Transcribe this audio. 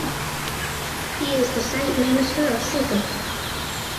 He is the State Minister of Sikkim.